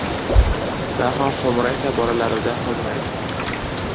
Daho xo‘mraysa, bolalarida xo‘mraydi.